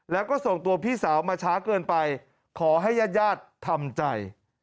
แล้วก็ส่งตัวพี่สาวมาช้าเกินไปขอให้ญาติญาติทำใจ